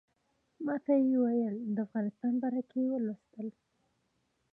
ماته یې ویل د افغانستان باره کې یې لوستي.